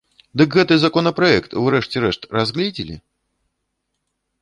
Дык гэты законапраект у рэшце рэшт разгледзелі?